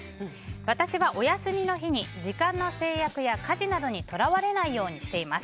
私はお休みの日に、時間の制約や家事などにとらわれないようにしています。